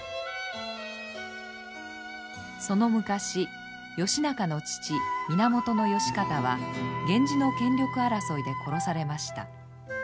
その昔義仲の父源義賢は源氏の権力争いで殺されました。